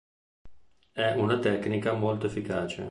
È una tecnica molto efficace.